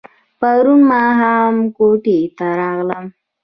پرون ماښام کوټې ته راغلم.